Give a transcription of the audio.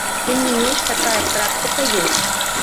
Тым не менш такая практыка ёсць.